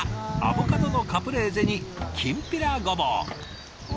アボカドのカプレーゼにきんぴらごぼう。